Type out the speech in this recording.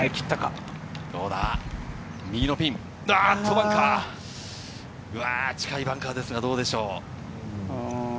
バンカー、近いバンカーですが、どうでしょう。